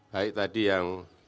baik tadi yang